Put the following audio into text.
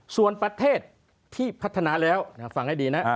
ส่วนประเทศที่พัฒนาแล้วฟังให้ดีนะ